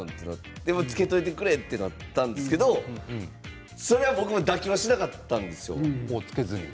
でも、つけておいてくれとなったんですけどそれは僕も妥協はしなかったんですよ。